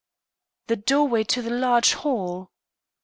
"The doorway to the large hall?"